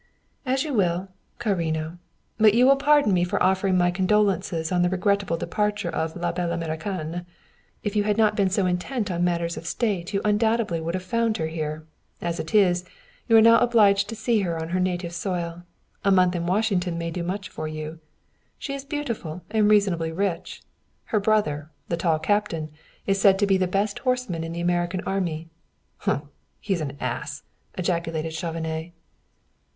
"As you will, carino; but you will pardon me for offering my condolences on the regrettable departure of la belle Americaine. If you had not been so intent on matters of state you would undoubtedly have found her here. As it is, you are now obliged to see her on her native soil. A month in Washington may do much for you. She is beautiful and reasonably rich. Her brother, the tall captain, is said to be the best horseman in the American army." "Humph! He is an ass," ejaculated Chauvenet.